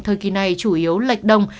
thời kỳ này chủ yếu lệch đông